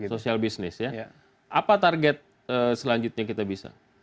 social business ya apa target selanjutnya kita bisa